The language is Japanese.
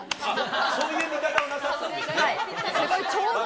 そういう見方をなさってたんちょうど。